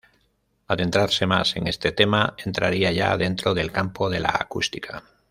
Adentrarse más en este tema entraría ya dentro del campo de la acústica.